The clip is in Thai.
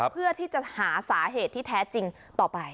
เพื่อที่จะหาสาเหตุที่แท้จริงต่อไป